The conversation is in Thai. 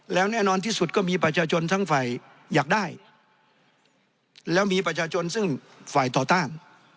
แล้วแน่นอนที่สุดก็มีประชาชนทั้งฝ่ายอยากได้แล้วมีประชาชนซึ่งฝ่ายต่อต้าน